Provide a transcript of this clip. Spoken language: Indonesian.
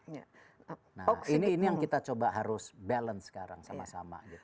nah ini yang kita coba harus balance sekarang sama sama